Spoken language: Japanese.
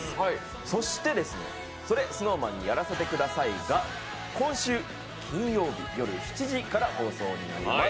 そして、「それＳｎｏｗＭａｎにやらせて下さい」が今週金曜日夜７時から放送になります。